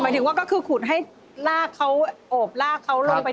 สวัสดีครับ